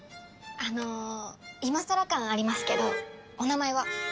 あの今さら感ありますけどお名前は？